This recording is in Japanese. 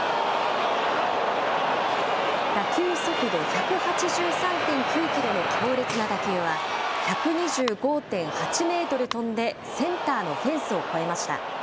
打球速度１８３．９キロの強烈な打球は、１２５．８メートル飛んで、センターのフェンスを越えました。